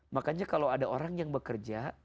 makanya kalau ada orang yang bekerja